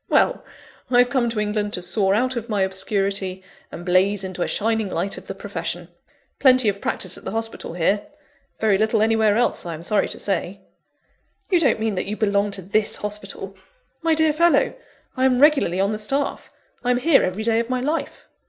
Well, I have come to England to soar out of my obscurity and blaze into a shining light of the profession. Plenty of practice at the hospital, here very little anywhere else, I am sorry to say." "You don't mean that you belong to this hospital?" "My dear fellow, I am regularly on the staff; I'm here every day of my life."